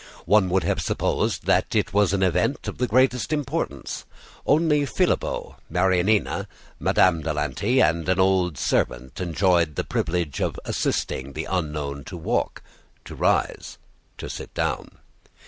One would have supposed that it was an event of the greatest importance. Only Filippo, Marianina, Madame de Lanty, and an old servant enjoyed the privilege of assisting the unknown to walk, to rise, to sit down.